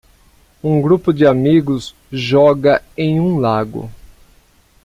Um grupo de amigos joga em um lago.